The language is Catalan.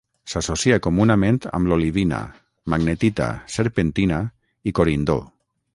S'associa comunament amb l'olivina, magnetita, serpentina, i corindó.